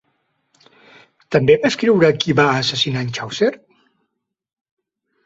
També va escriure Qui va assassinar en Chaucer?